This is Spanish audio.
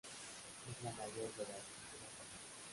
Es la mayor de las Islas Salomón.